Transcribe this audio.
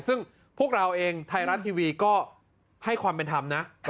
ซึ่งพวกเราเองไทยรัฐทีวีก็ให้ความเป็นธรรมนะ